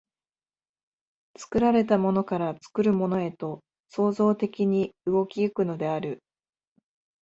作られたものから作るものへと創造的に動き行くのである。